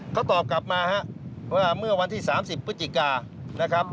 เขาตอบกลับมาฮะว่าเมื่อวันที่๓๐พฤศจิกานะครับ